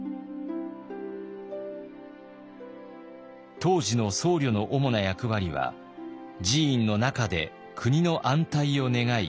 当時の僧侶の主な役割は寺院の中で国の安泰を願い